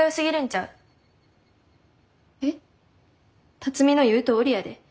辰美の言うとおりやで。